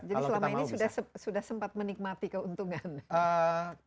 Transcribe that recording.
selama ini sudah sempat menikmati keuntungan